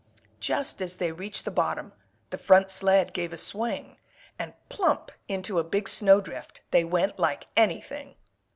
Just as they reached the bottom, The front sled gave a swing, And plump into a big snowdrift They went like anything!